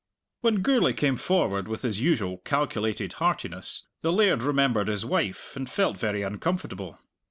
When Gourlay came forward with his usual calculated heartiness, the laird remembered his wife and felt very uncomfortable.